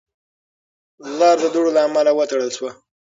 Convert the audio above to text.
لار د دوړو له امله وتړل شوه.